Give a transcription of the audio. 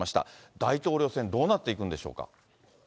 大統領選、どうなっていくんでしょうか。